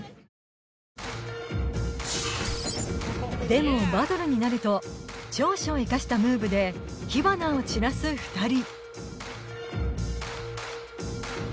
でもバトルになると長所を生かしたムーブで火花を散らす２人。